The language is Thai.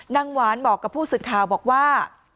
นางหวานบอกกับผู้สื่อข่าวบอกว่า